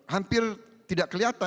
hampir tidak kelihatan